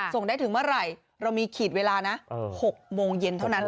ส่งได้ถึงเมื่อไหร่เรามีขีดเวลานะ๖โมงเย็นเท่านั้น